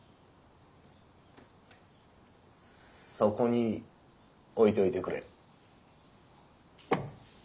そこに置いといてくれ。